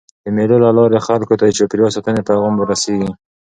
د مېلو له لاري خلکو ته د چاپېریال ساتني پیغام وررسېږي.